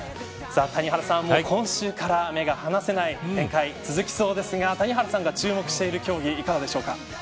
谷原さん、今週から目が離せない展開が続きそうですが谷原さんが注目している競技はいかがですか。